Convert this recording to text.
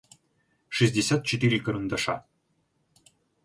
шестьдесят четыре карандаша